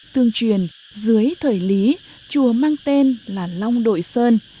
tương truyền dưới thời lý chùa mang tên là long đội sơn